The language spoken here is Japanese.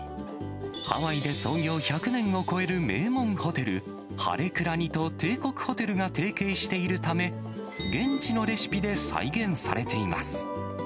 ハワイで創業１００年を超える名門ホテル、ハレクラニと帝国ホテルが提携しているため、現地のレシピで再現されています。